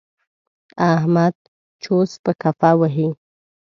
احمد چوس په کفه وهي.